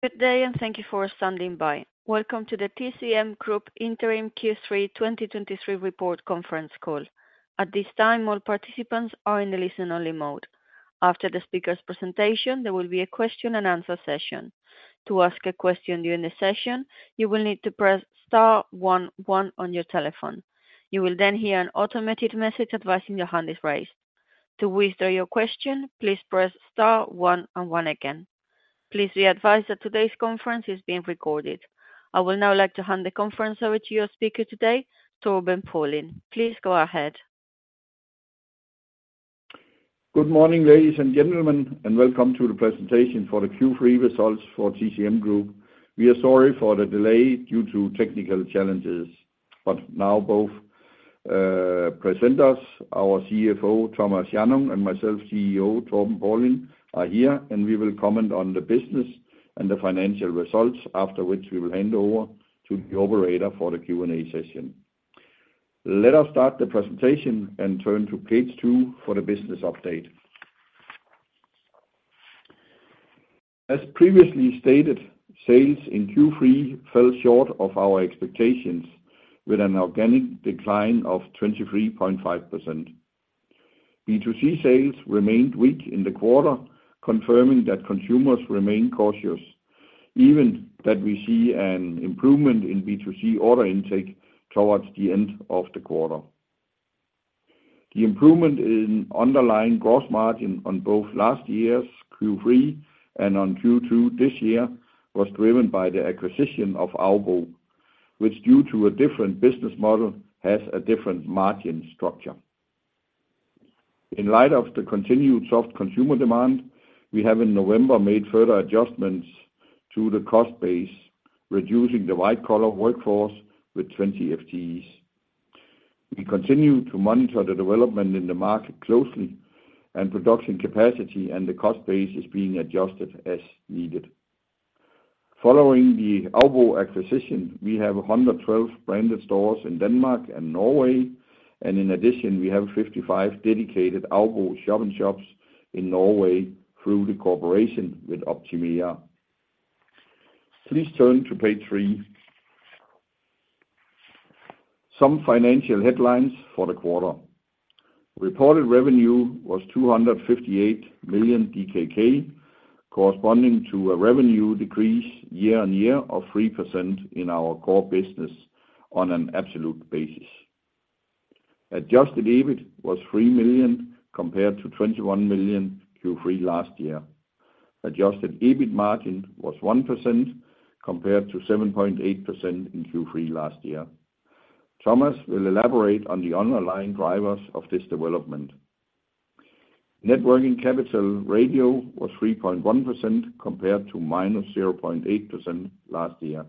Good day, and thank you for standing by. Welcome to the TCM Group Interim Q3 2023 Report Conference Call. At this time, all participants are in the listen-only mode. After the speaker's presentation, there will be a question and answer session. To ask a question during the session, you will need to press star one, one on your telephone. You will then hear an automated message advising your hand is raised. To withdraw your question, please press star one and one again. Please be advised that today's conference is being recorded. I would now like to hand the conference over to your speaker today, Torben Paulin. Please go ahead. Good morning, ladies and gentlemen, and welcome to the presentation for the Q3 results for TCM Group. We are sorry for the delay due to technical challenges, but now both presenters, our CFO, Thomas Hjannung, and myself, CEO Torben Paulin, are here, and we will comment on the business and the financial results, after which we will hand over to the operator for the Q&A session. Let us start the presentation and turn to page two for the business update. As previously stated, sales in Q3 fell short of our expectations with an organic decline of 23.5%. B2C sales remained weak in the quarter, confirming that consumers remain cautious, even that we see an improvement in B2C order intake towards the end of the quarter. The improvement in underlying gross margin on both last year's Q3 and on Q2 this year was driven by the acquisition of AUBO, which, due to a different business model, has a different margin structure. In light of the continued soft consumer demand, we have in November made further adjustments to the cost base, reducing the white-collar workforce with 20 FTEs. We continue to monitor the development in the market closely, and production capacity and the cost base is being adjusted as needed. Following the AUBO acquisition, we have 112 branded stores in Denmark and Norway, and in addition, we have 55 dedicated AUBO shop-in-shops in Norway through the cooperation with Optimera. Please turn to page three. Some financial headlines for the quarter. Reported revenue was 258 million DKK, corresponding to a revenue decrease year-on-year of 3% in our core business on an absolute basis. Adjusted EBIT was 3 million, compared to 21 million Q3 last year. Adjusted EBIT margin was 1%, compared to 7.8% in Q3 last year. Thomas will elaborate on the underlying drivers of this development. Net working capital ratio was 3.1%, compared to -0.8% last year.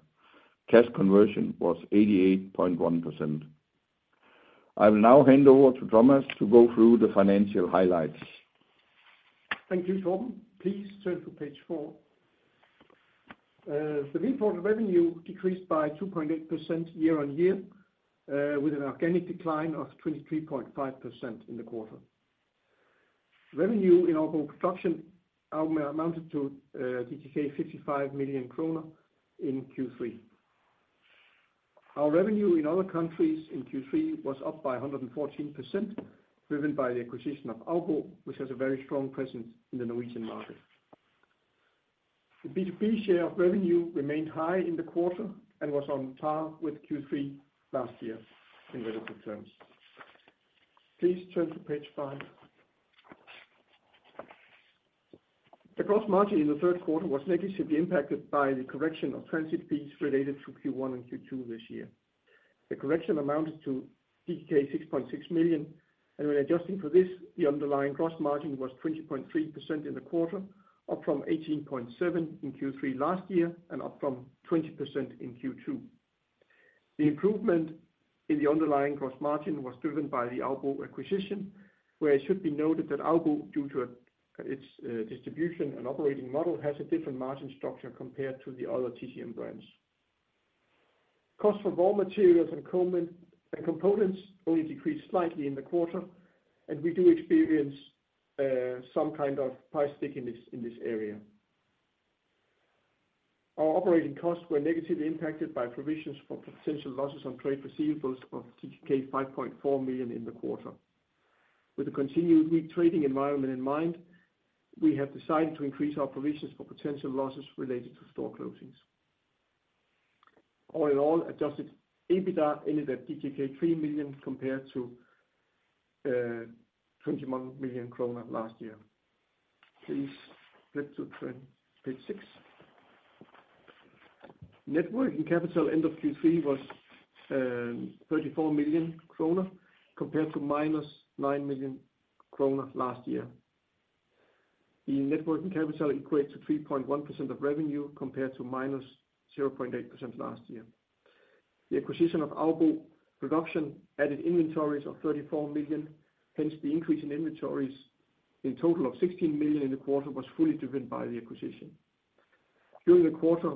Cash conversion was 88.1%. I will now hand over to Thomas to go through the financial highlights. Thank you, Torben. Please turn to page four. The reported revenue decreased by 2.8% year-on-year, with an organic decline of 23.5% in the quarter. Revenue in AUBO Production amounted to 55 million kroner in Q3. Our revenue in other countries in Q3 was up by 114%, driven by the acquisition of AUBO, which has a very strong presence in the Norwegian market. The B2B share of revenue remained high in the quarter and was on par with Q3 last year in relative terms. Please turn to page five. The gross margin in the third quarter was negatively impacted by the correction of transit fees related to Q1 and Q2 this year. The correction amounted to DKK 6.6 million, and when adjusting for this, the underlying gross margin was 20.3% in the quarter, up from 18.7% in Q3 last year and up from 20% in Q2. The improvement in the underlying gross margin was driven by the AUBO acquisition, where it should be noted that AUBO, due to its distribution and operating model, has a different margin structure compared to the other TCM brands. Costs for raw materials and components only decreased slightly in the quarter, and we do experience some kind of price stickiness in this area. Our operating costs were negatively impacted by provisions for potential losses on trade receivables of 5.4 million in the quarter. With the continued weak trading environment in mind, we have decided to increase our provisions for potential losses related to store closings. All in all, Adjusted EBITDA ended at 3 million, compared to 21 million kroner last year. Please flip to page six. Net Working Capital end of Q3 was 34 million kroner, compared to -9 million kroner last year. The Net Working Capital equates to 3.1% of revenue, compared to -0.8% last year. The acquisition of AUBO Production added inventories of 34 million. Hence, the increase in inventories in total of 16 million in the quarter was fully driven by the acquisition. During the quarter,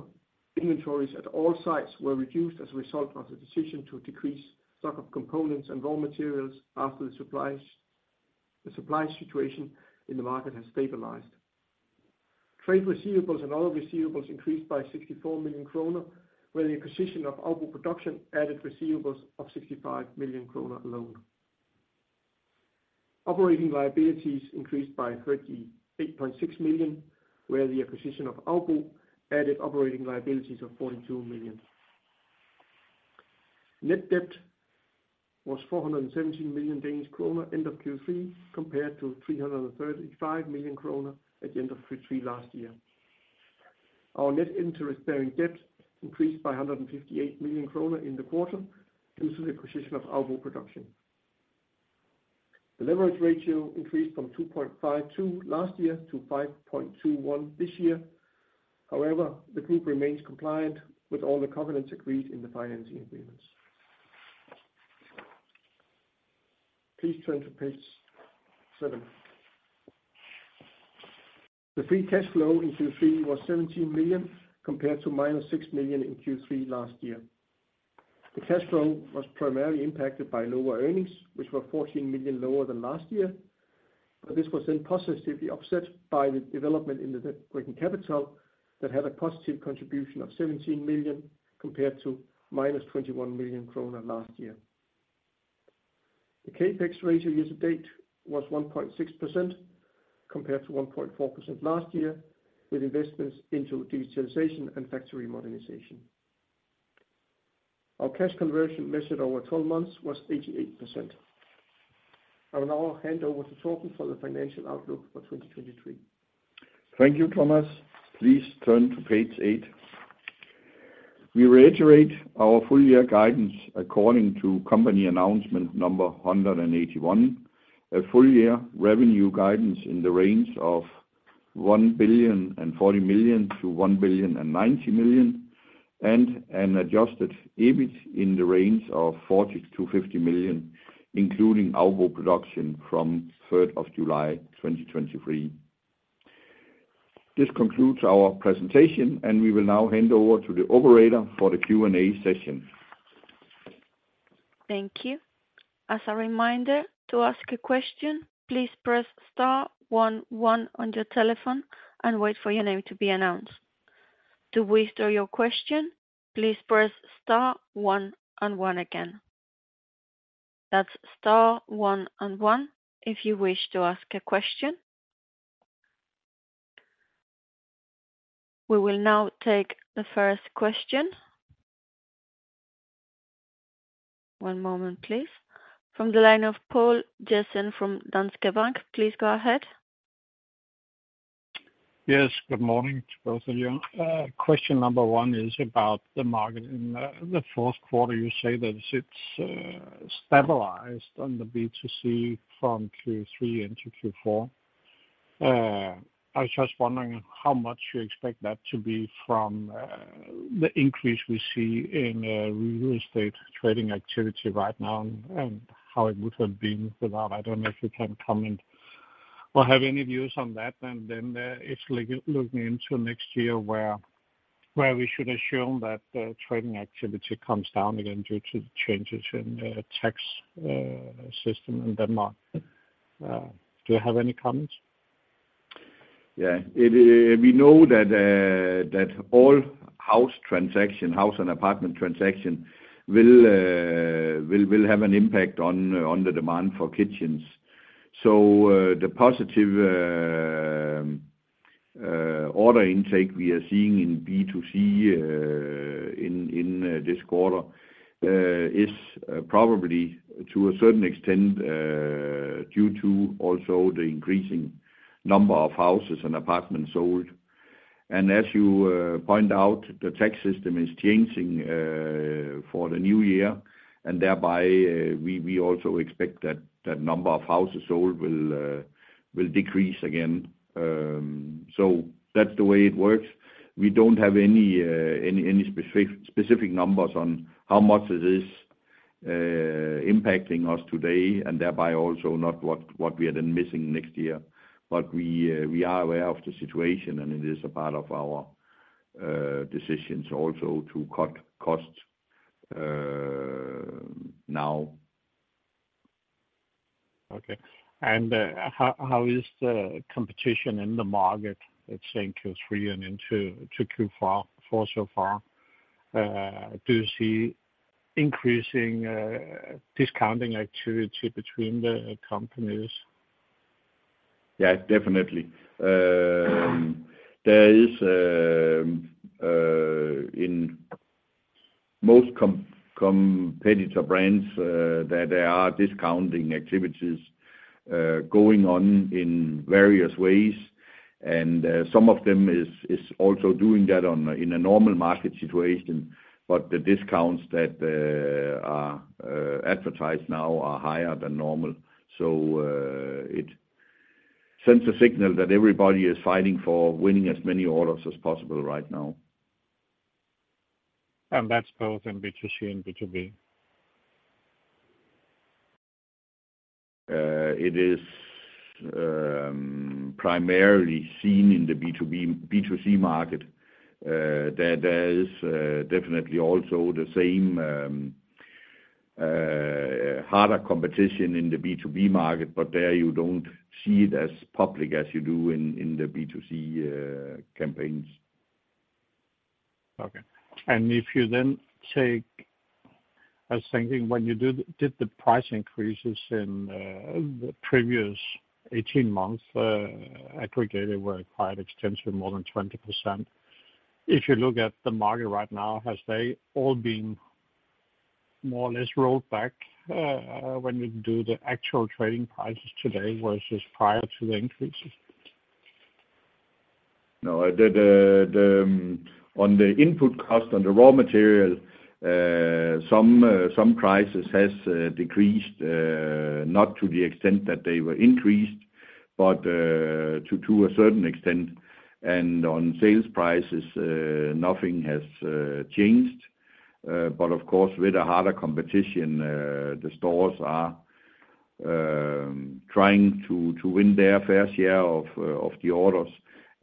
inventories at all sites were reduced as a result of the decision to decrease stock of components and raw materials after the supply situation in the market has stabilized. Trade receivables and other receivables increased by 64 million kroner, where the acquisition of AUBO Production added receivables of 65 million kroner alone. Operating liabilities increased by 38.6 million, where the acquisition of AUBO added operating liabilities of 0.2 million. Net debt was 417 million Danish kroner, end of Q3, compared to 335 million kroner at the end of Q3 last year. Our net interest-bearing debt increased by 158 million kroner in the quarter, due to the acquisition of AUBO Production. The leverage ratio increased from 2.52 last year to 5.21 this year. However, the group remains compliant with all the covenants agreed in the financing agreements. Please turn to page seven. The free cash flow in Q3 was 17 million, compared to -6 million in Q3 last year. The cash flow was primarily impacted by lower earnings, which were 14 million lower than last year, but this was then positively offset by the development in the net working capital, that had a positive contribution of 17 million, compared to -21 million kroner last year. The CapEx ratio year to date was 1.6%, compared to 1.4% last year, with investments into digitalization and factory modernization. Our cash conversion measured over twelve months was 88%. I will now hand over to Torben for the financial outlook for 2023. Thank you, Thomas. Please turn to page eight. We reiterate our full year guidance according to company announcement number 181. A full year revenue guidance in the range of 1,040 million-1,090 million, and an adjusted EBIT in the range of 40 million-50 million, including AUBO Production from July 3, 2023. This concludes our presentation, and we will now hand over to the operator for the Q&A session. Thank you. As a reminder, to ask a question, please press star one one on your telephone and wait for your name to be announced. To withdraw your question, please press star one and one again. That's star one and one if you wish to ask a question. We will now take the first question. One moment, please. From the line of Poul Jessen from Danske Bank, please go ahead. Yes, good morning to both of you. Question number one is about the market in the fourth quarter. You say that it's stabilized on the B2C from Q3 into Q4. I was just wondering how much you expect that to be from the increase we see in real estate trading activity right now, and how it would have been without? I don't know if you can comment or have any views on that. And then, it's looking into next year, where we should assume that trading activity comes down again due to changes in the tax system in Denmark. Do you have any comments? Yeah, it, we know that, that all house transaction, house and apartment transaction will, will have an impact on, on the demand for kitchens. So, the positive, order intake we are seeing in B2C, in this quarter, is probably to a certain extent, due to also the increasing number of houses and apartments sold. And as you point out, the tax system is changing for the new year, and thereby, we also expect that number of houses sold will decrease again. So that's the way it works. We don't have any specific numbers on how much it is impacting us today, and thereby also not what we are then missing next year. But we are aware of the situation, and it is a part of our decisions also to cut costs now. Okay. And, how is the competition in the market, let's say, in Q3 and into Q4 so far? Do you see increasing, discounting activity between the companies? Yeah, definitely. There is in most competitor brands that there are discounting activities going on in various ways, and some of them is also doing that in a normal market situation. But the discounts that are advertised now are higher than normal. So, it sends a signal that everybody is fighting for winning as many orders as possible right now. That's both in B2C and B2B? It is primarily seen in the B2B, B2C market. There is definitely also the same harder competition in the B2B market, but there you don't see it as public as you do in the B2C campaigns. Okay. And if you then take, I was thinking when you did the price increases in the previous 18 months, aggregated were quite extensive, more than 20%. If you look at the market right now, has they all been more or less rolled back, when you do the actual trading prices today versus prior to the increases? No, the on the input cost, on the raw material, some prices has decreased, not to the extent that they were increased, but to a certain extent, and on sales prices, nothing has changed. But of course, with the harder competition, the stores are trying to win their fair share of the orders,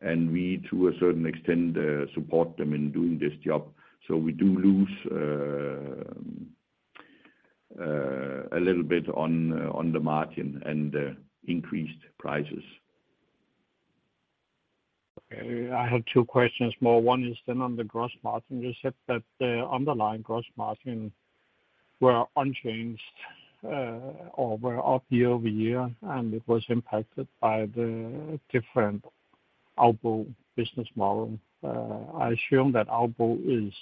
and we, to a certain extent, support them in doing this job. So we do lose a little bit on the margin and increased prices. Okay. I have two questions more. One is then on the gross margin. You said that the underlying gross margin were unchanged, or were up year-over-year, and it was impacted by the different AUBO business model. I assume that AUBO is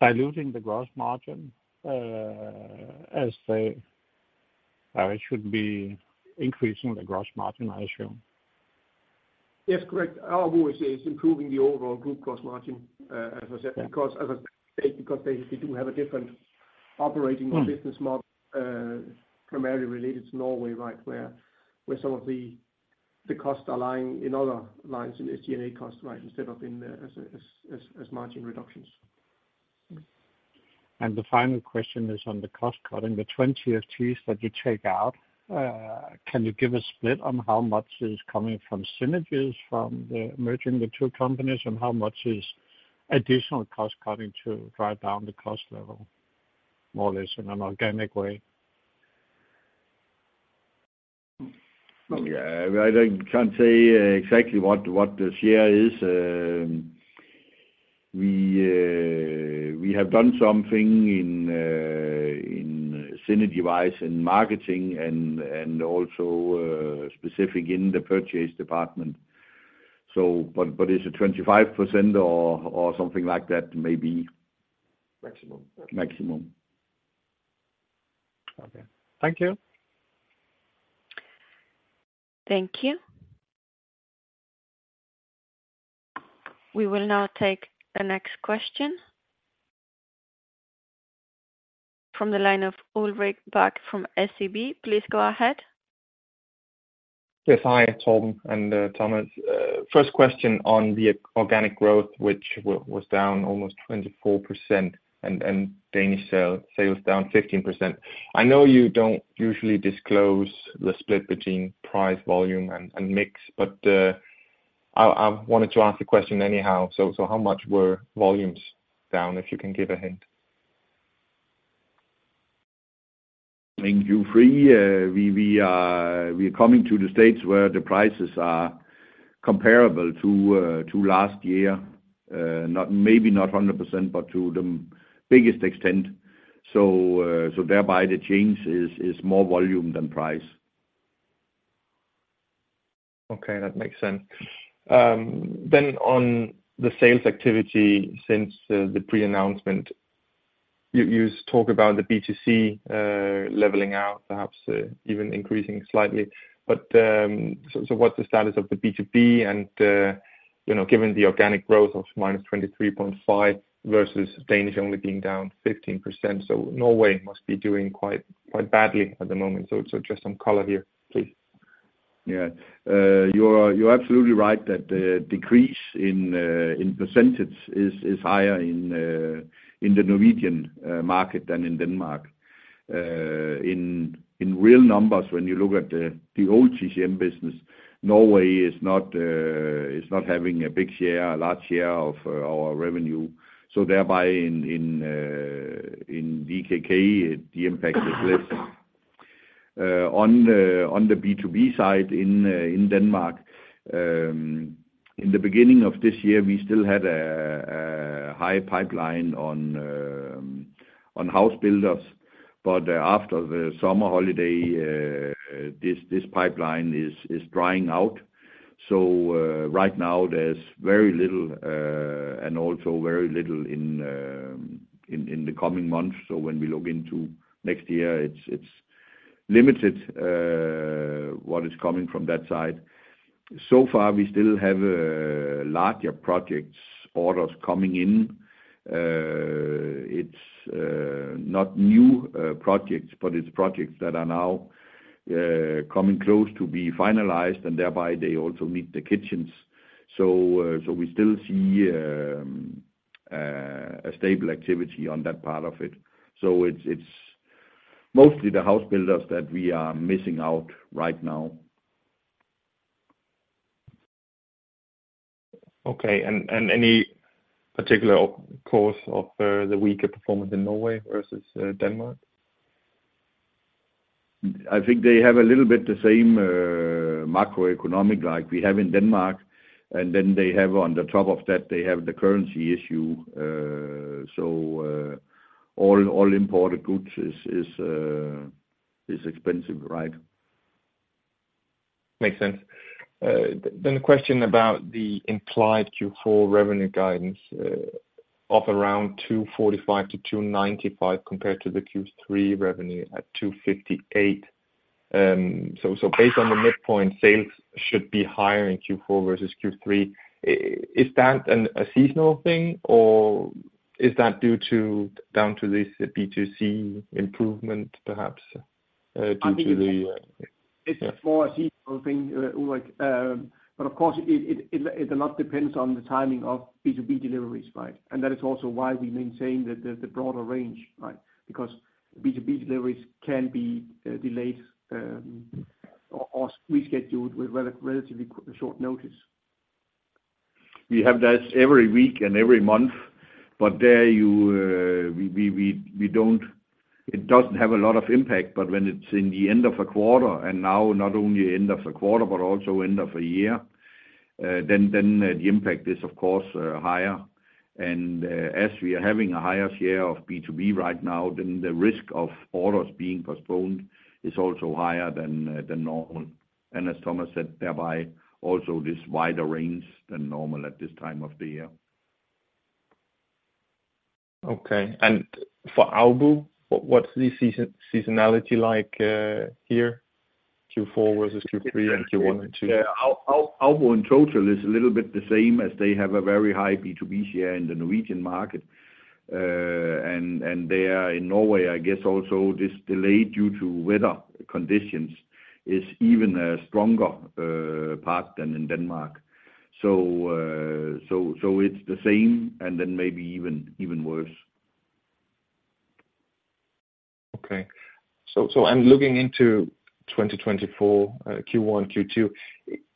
diluting the gross margin, as they should be increasing the gross margin, I assume. Yes, correct. AUBO is improving the overall group gross margin, as I said, because as I state, because they do have a different operating or business model, primarily related to Norway, right? Where some of the costs are lying in other lines in SG&A costs, right, instead of in the as margin reductions. The final question is on the cost cutting, the 20 FTEs that you take out, can you give a split on how much is coming from synergies, from the merging the two companies, and how much is additional cost cutting to drive down the cost level, more or less in an organic way? Yeah, I can't say exactly what the share is. We have done something in synergy-wise in marketing and also specific in the purchase department. But it's a 25% or something like that, maybe. Maximum. Maximum. Okay. Thank you. Thank you. We will now take the next question. From the line of Ulrik Bak from SEB, please go ahead. Yes, hi, Torben and Thomas. First question on the organic growth, which was down almost 24% and Danish sales down 15%. I know you don't usually disclose the split between price, volume, and mix, but I wanted to ask the question anyhow. So how much were volumes down, if you can give a hint? Thank you. We're coming to the stage where the prices are comparable to last year. Maybe not 100%, but to the biggest extent. So thereby the change is more volume than price. Okay, that makes sense. Then on the sales activity since the pre-announcement, you, you talk about the B2C leveling out, perhaps even increasing slightly. But, so, so what's the status of the B2B and, you know, given the organic growth of -23.5% versus Danish only being down 15%, so Norway must be doing quite, quite badly at the moment. So, so just some color here, please. Yeah. You're absolutely right that the decrease in percentage is higher in the Norwegian market than in Denmark. In real numbers, when you look at the old TCM business, Norway is not having a big share, a large share of our revenue. So thereby in B2B, the impact is less. On the B2B side, in Denmark, in the beginning of this year, we still had a high pipeline on house builders. But after the summer holiday, this pipeline is drying out. So right now there's very little, and also very little in the coming months. So when we look into next year, it's limited what is coming from that side. So far, we still have larger projects, orders coming in. It's not new projects, but it's projects that are now coming close to be finalized, and thereby they also need the kitchens. So we still see a stable activity on that part of it. So it's mostly the house builders that we are missing out right now. Okay, and any particular cause of the weaker performance in Norway versus Denmark? I think they have a little bit the same macroeconomic like we have in Denmark, and then they have on the top of that, they have the currency issue. So, all imported goods is expensive, right? Makes sense. Then the question about the implied Q4 revenue guidance of around 245-295, compared to the Q3 revenue at 258. So based on the midpoint, sales should be higher in Q4 versus Q3. Is that a seasonal thing, or is that down to this B2C improvement, perhaps due to the It's more a seasonal thing, like, but of course, it a lot depends on the timing of B2B deliveries, right? And that is also why we maintain the broader range, right? Because B2B deliveries can be delayed, or rescheduled with relatively short notice. We have that every week and every month, but it doesn't have a lot of impact. But when it's in the end of a quarter, and now not only end of a quarter, but also end of a year, then the impact is of course higher. And as we are having a higher share of B2B right now, then the risk of orders being postponed is also higher than normal. And as Thomas said, thereby, also this wider range than normal at this time of the year. Okay. And for AUBO, what's the seasonality like here, Q4 versus Q3 and Q1 and Q2? Yeah. AUBO in total is a little bit the same, as they have a very high B2B share in the Norwegian market. And, and there in Norway, I guess also this delay due to weather conditions is even a stronger, part than in Denmark. So, so it's the same, and then maybe even, even worse. Okay. So, so I'm looking into 2024, Q1, Q2.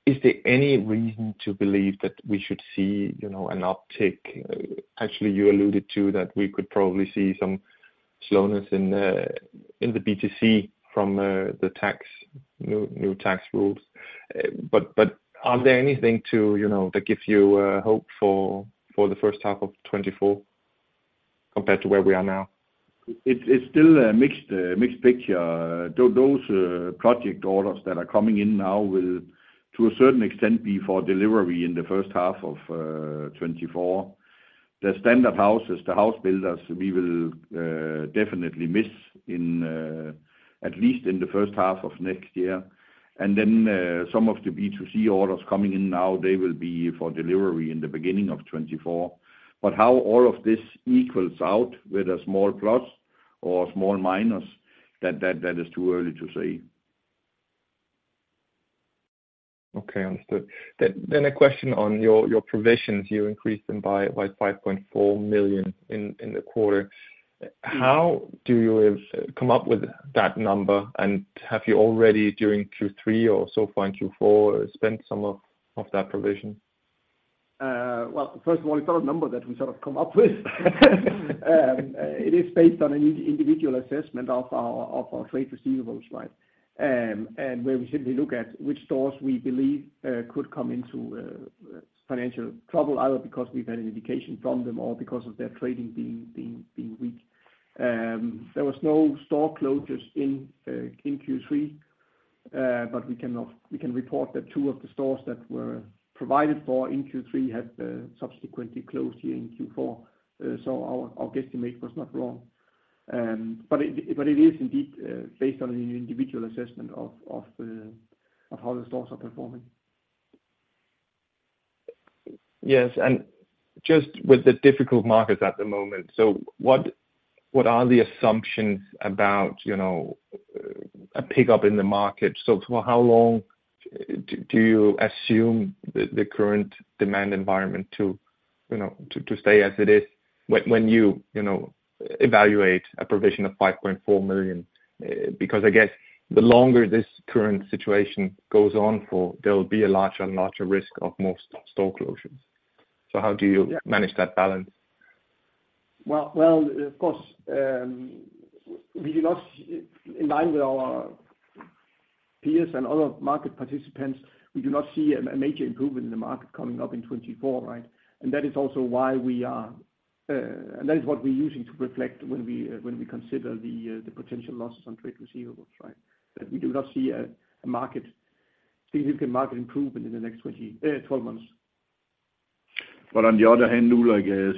Is there any reason to believe that we should see, you know, an uptick? Actually, you alluded to that we could probably see some slowness in the B2C from the tax, new, new tax rules. But, but are there anything to, you know, that gives you hope for the first half of 2024, compared to where we are now? It's still a mixed picture. Those project orders that are coming in now will, to a certain extent, be for delivery in the first half of 2024. The standard houses, the house builders, we will definitely miss in at least in the first half of next year. And then some of the B2C orders coming in now, they will be for delivery in the beginning of 2024. But how all of this equals out with a small plus or a small minus, that is too early to say. Okay, understood. Then a question on your provisions. You increased them by 5.4 million in the quarter. How do you have come up with that number? And have you already, during Q3 or so far in Q4, spent some of that provision? Well, first of all, it's not a number that we sort of come up with. It is based on an individual assessment of our trade receivables, right? And where we simply look at which stores we believe could come into financial trouble, either because we've had an indication from them or because of their trading being weak. There was no store closures in Q3. But we can report that two of the stores that were provided for in Q3 had subsequently closed here in Q4. So our guesstimate was not wrong. But it is indeed based on an individual assessment of how the stores are performing. Yes, and just with the difficult markets at the moment, so what are the assumptions about, you know, a pickup in the market? So, how long do you assume the current demand environment to, you know, stay as it is when you, you know, evaluate a provision of 5.4 million? Because I guess the longer this current situation goes on for, there will be a larger and larger risk of more store closures. So how do you manage that balance? Well, well, of course, we do not, in line with our peers and other market participants, we do not see a major improvement in the market coming up in 2024, right? And that is also why we are. And that is what we're using to reflect when we consider the potential losses on trade receivables, right? But we do not see a significant market improvement in the next 12 months. But on the other hand, too, I guess,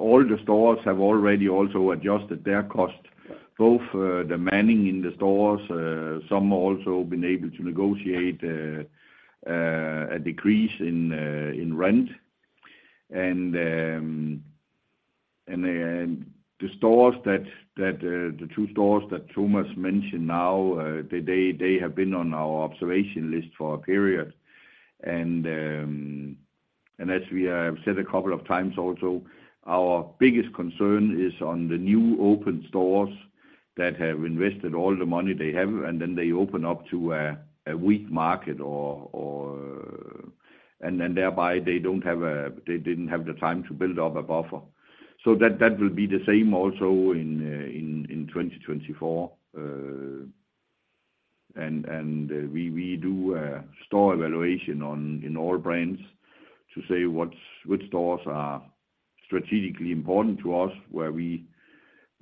all the stores have already also adjusted their cost, both the manning in the stores, some also been able to negotiate a decrease in rent. And as we have said a couple of times also, our biggest concern is on the new open stores that have invested all the money they have, and then they open up to a weak market or, and then thereby they don't have. They didn't have the time to build up a buffer. So that will be the same also in 2024. We do a store evaluation in all brands to say which stores are strategically important to us, where we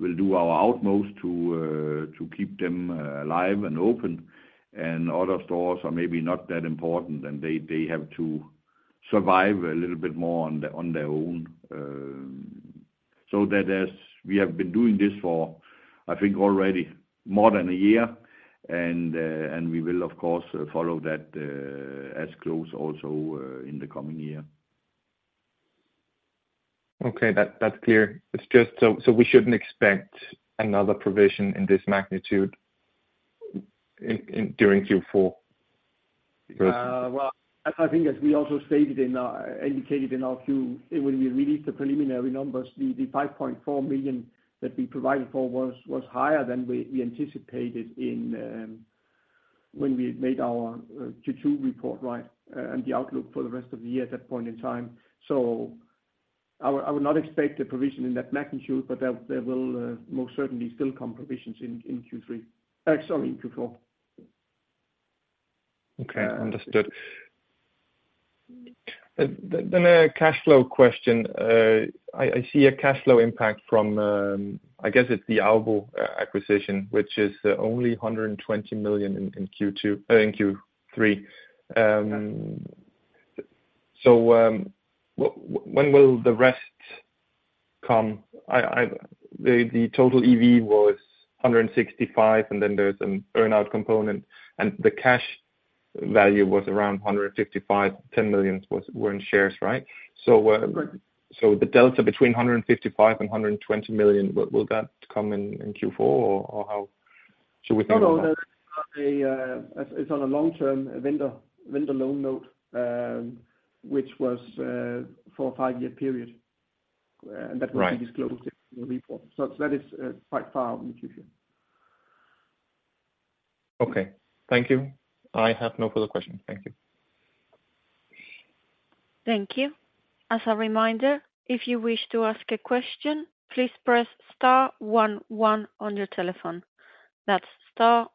will do our utmost to keep them alive and open. Other stores are maybe not that important, and they have to survive a little bit more on their own. So, as we have been doing this for, I think, already more than a year, and we will of course follow that as close also in the coming year. Okay. That's clear. It's just... So we shouldn't expect another provision in this magnitude in during Q4? Well, I think as we also indicated in our Q when we released the preliminary numbers, the 5.4 million that we provided for was higher than we anticipated when we made our Q2 report, right? And the outlook for the rest of the year at that point in time. So I would not expect a provision in that magnitude, but there will most certainly still come provisions in Q3, sorry, Q4. Okay, understood. Then a cash flow question. I see a cash flow impact from, I guess it's the AUBO acquisition, which is only 120 million in Q2 in Q3. So, when will the rest come? The total EV was 165, and then there's an earn-out component, and the cash value was around 155, 10 million was, were in shares, right? So, Right. The delta between 155 million and 120 million, will that come in Q4? Or how should we think about that? No, no, that's on a, it's on a long-term vendor loan note, which was for a five-year period. Right. That was disclosed in the report. That is quite far out in the future. Okay. Thank you. I have no further questions. Thank you. Thank you. As a reminder, if you wish to ask a question, please press star one, one on your telephone. That's star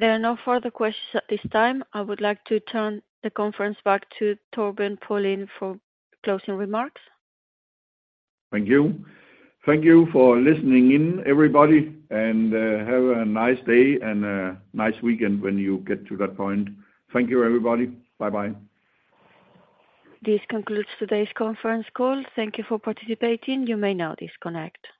one and one to ask a question. There are no further questions at this time. I would like to turn the conference back to Torben Paulin for closing remarks. Thank you. Thank you for listening in, everybody, and have a nice day and a nice weekend when you get to that point. Thank you, everybody. Bye-bye. This concludes today's conference call. Thank you for participating. You may now disconnect.